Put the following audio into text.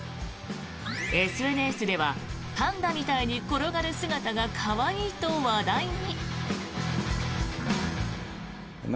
ＳＮＳではパンダみたいに転がる姿が可愛いと話題に。